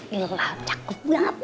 gila cakep banget